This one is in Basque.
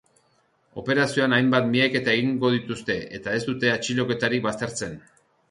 Operazioan hainbat miaketa egingo dituzte eta ez dute atxiloketarik baztertzen.